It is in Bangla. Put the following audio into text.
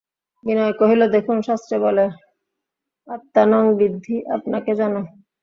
বিনয় কহিল, দেখুন, শাস্ত্রে বলে, আত্মানং বিদ্ধি– আপনাকে জানো।